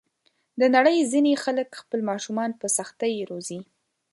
د نړۍ ځینې خلک خپل ماشومان په سختۍ روزي.